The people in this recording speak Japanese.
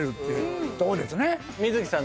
観月さん